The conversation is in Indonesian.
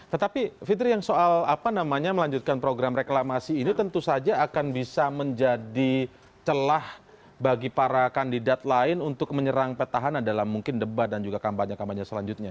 tetapi fitri yang soal apa namanya melanjutkan program reklamasi ini tentu saja akan bisa menjadi celah bagi para kandidat lain untuk menyerang petahana dalam mungkin debat dan juga kampanye kampanye selanjutnya